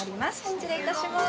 失礼いたします。